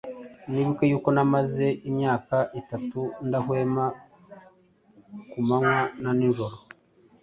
mwibuke yuko namaze imyaka itatu ndahwema ku manywa na nijoro